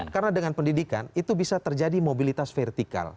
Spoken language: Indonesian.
karena dengan pendidikan itu bisa terjadi mobilitas vertikal